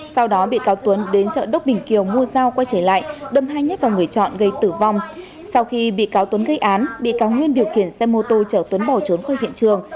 sau đó bị cáo tuấn đến chợ đốc bình kiều mua dao quay trở lại đâm hai nhát vào người chọn gây tử vong sau khi bị cáo tuấn gây án bị cáo nguyên điều khiển xe mô tô chở tuấn bỏ trốn khỏi hiện trường